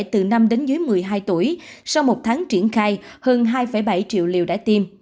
từ năm đến dưới một mươi hai tuổi sau một tháng triển khai hơn hai bảy triệu liều đã tiêm